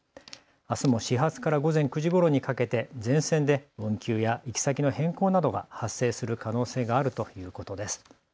あすも始発から午前９時ごろにかけて全線で運休や行き先の変更などが発生する可能性があるということです。